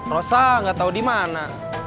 rosa gak tau di mana